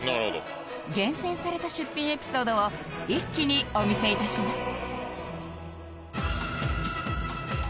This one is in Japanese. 厳選された出品エピソードを一気にお見せ致します